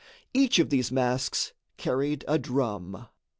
Each of these masks carried a drum.